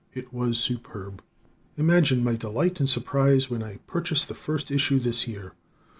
It was superb. Imagine my delight and surprise when I purchased the first issue this year!